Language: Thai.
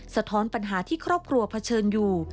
สะท้อนปัญหาที่ครอบครัวเผชิญอยู่